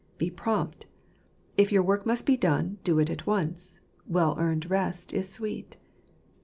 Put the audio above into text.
Be prompt. If your work must be done, do it at once : well earned rest is sweet.